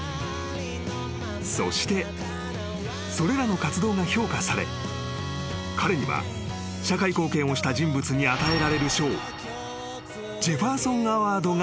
［そしてそれらの活動が評価され彼には社会貢献をした人物に与えられる賞］